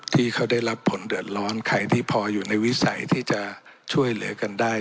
ที่เขาได้รับผลเดือดร้อนใครที่พออยู่ในวิสัยที่จะช่วยเหลือกันได้